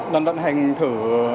năm văn hành thử